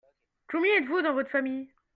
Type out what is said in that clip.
Combien êtes-vous dans votre famille ?